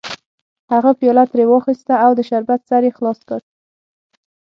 هغه پیاله ترې واخیسته او د شربت سر یې خلاص کړ